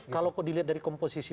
kalau dilihat dari komposisi